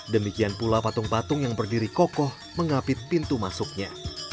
demikian pula patung patung yang berdiri kokoh mengapit pintu masuknya